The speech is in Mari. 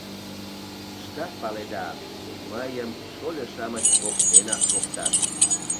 Шкат паледа: мыйым шольо-шамыч поктенак поктат.